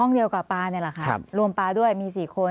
ห้องเดียวกับปลาเนี่ยแหละค่ะรวมปลาด้วยมีสี่คน